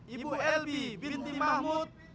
ibu elbi binti mahmud